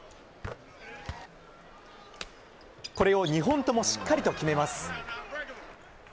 これを２本ともしっかりと決めます。